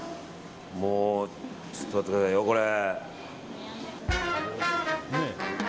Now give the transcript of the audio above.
ちょっと待ってくださいよ、これ。